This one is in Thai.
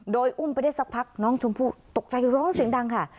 โดยอุ้มไปได้สักพักน้องชมพู่ตกใจร้องเสียงดังค่ะ